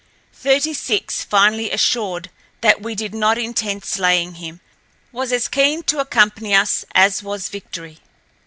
Thirty six, finally assured that we did not intend slaying him, was as keen to accompany us as was Victory.